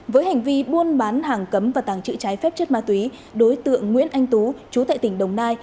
với hành vi buôn bán hàng cấm và tàng trữ trái phép chất ma túy đối tượng nguyễn anh tú chú tại tỉnh đồng nai